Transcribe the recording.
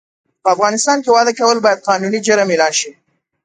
په افغانستان کې واده کول باید قانوني جرم اعلان سي